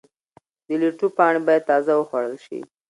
د لیټو پاڼې باید تازه وخوړل شي.